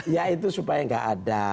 ya itu supaya nggak ada